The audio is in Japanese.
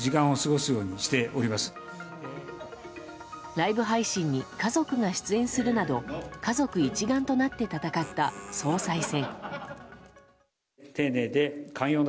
ライブ配信に家族が出演するなど家族一丸となって戦った総裁選。